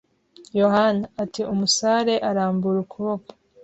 “Yohana!” ati umusare, arambura ukuboko.